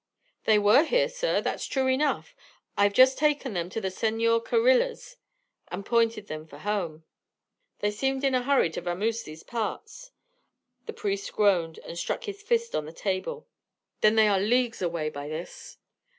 "They were here, sir, that's true enough. I've just taken them to the Sennor Carriller's and pointed them fur home. They seemed in a hurry to vamos these parts." The priest groaned and struck his fist on the table. "Then they are leagues away by this."